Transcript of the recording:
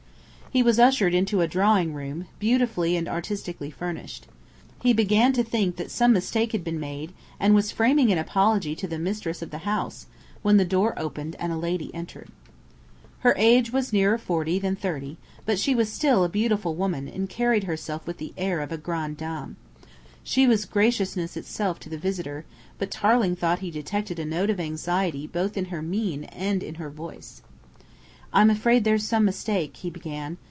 He was ushered into a drawing room, beautifully and artistically furnished. He began to think that some mistake had been made, and was framing an apology to the mistress of the house, when the door opened and a lady entered. Her age was nearer forty than thirty, but she was still a beautiful woman and carried herself with the air of a grand dame. She was graciousness itself to the visitor, but Tarling thought he detected a note of anxiety both in her mien and in her voice. "I'm afraid there's some mistake," he began.